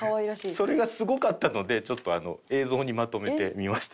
それがすごかったので映像にまとめてみました。